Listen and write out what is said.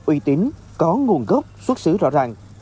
uy tín có nguồn gốc xuất xứ rõ ràng